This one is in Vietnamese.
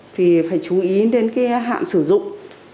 thì phải chú ý đến cái hạm sử dụng